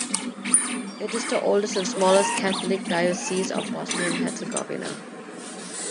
It is the oldest and smallest Catholic diocese of Bosnia and Herzegovina.